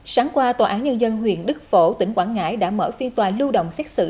sáng qua tòa án nhân dân huyện đức phổ tỉnh quảng ngãi đã mở phiên tòa lưu động xét xử